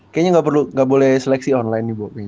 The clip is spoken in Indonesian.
kayaknya gak boleh seleksi online nih boping